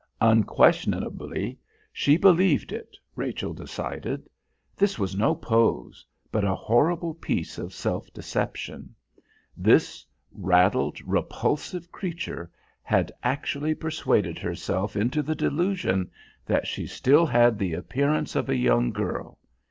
Unquestionably she believed it, Rachel decided. This was no pose, but a horrible piece of self deception. This raddled, repulsive creature had actually persuaded herself into the delusion that she still had the appearance of a young girl.